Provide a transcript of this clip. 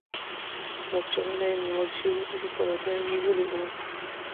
مرچلونه چې نیول سوي وو، پردیو نیولي وو.